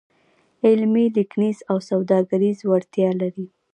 علمي، لیکنیز او سوداګریز وړتیا لري.